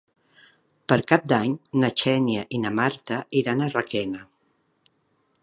Per Cap d'Any na Xènia i na Marta iran a Requena.